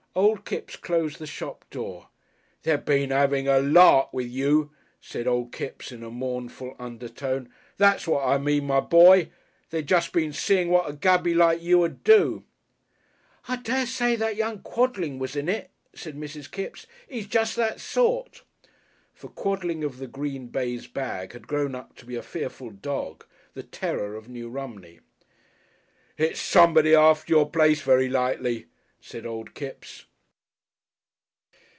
Old Kipps closed the shop door. "They been 'avin' a lark with you," said Old Kipps in a mournful undertone. "That's what I mean, my boy. They jest been seein' what a Gaby like you 'ud do." "I dessay that young Quodling was in it," said Mrs. Kipps. "'E's jest that sort." (For Quodling of the green baize bag had grown up to be a fearful dog, the terror of New Romney.) "It's somebody after your place very likely," said Old Kipps.